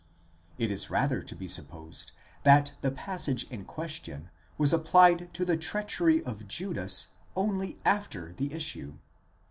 It is rather to be supposed, that the passage in question was applied to the treachery of Judas only after the issue.